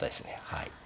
はい。